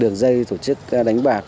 đường dây tổ chức đánh bạc